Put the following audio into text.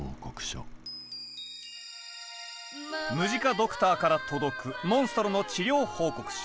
ムジカ・ドクターから届くモンストロの治療報告書。